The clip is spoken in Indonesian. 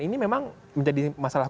ini memang menjadi masalah